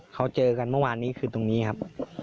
เขาเจอกันเมื่อวานนี้คือตรงนี้ครับ